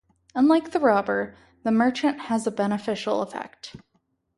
Unlike the robber, the merchant has a beneficial effect.